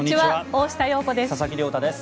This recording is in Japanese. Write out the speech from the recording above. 大下容子です。